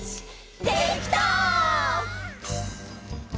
「できた！」